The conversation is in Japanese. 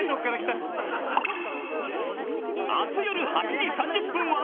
明日よる８時３０分は